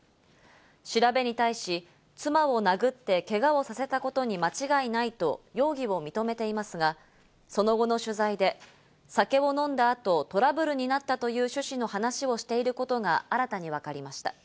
調べに対し、妻を殴ってけがをさせたことに間違いないと容疑を認めていますが、その後の取材で酒を飲んだ後、トラブルになったという趣旨の話をしていることが新たに分かりました。